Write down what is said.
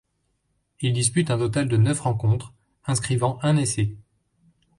Il dispute un total de neuf rencontres, inscrivant un essai.